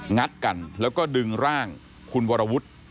งัดกันแล้วก็ดึงร่างคุณวรวุฒิ